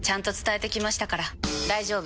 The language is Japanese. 大丈夫！